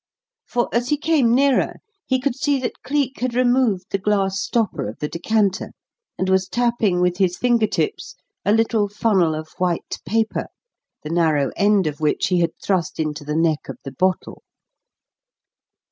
For, as he came nearer, he could see that Cleek had removed the glass stopper of the decanter, and was tapping with his finger tips a little funnel of white paper, the narrow end of which he had thrust into the neck of the bottle.